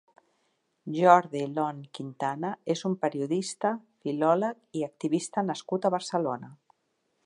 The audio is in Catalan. Jordi Lon Quintana és un periodista, filòleg i activista nascut a Barcelona.